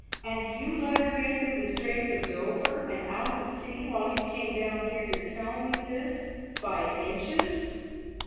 "And you let her get through the Straits of Dover and out to sea while you came down here to tell me this by inches?"